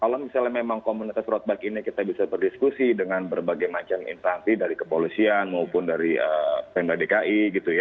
kalau misalnya memang komunitas road bike ini kita bisa berdiskusi dengan berbagai macam instansi dari kepolisian maupun dari pemda dki gitu ya